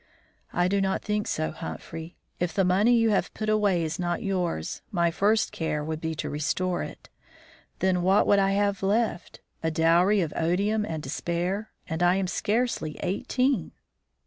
"I do not think so, Humphrey. If the money you have put away is not yours, my first care would be to restore it. Then what would I have left? A dowry of odium and despair, and I am scarcely eighteen."